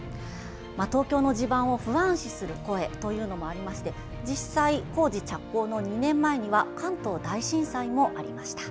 東京の地盤を不安視する声もありまして実際、工事着工の２年前には関東大震災もありました。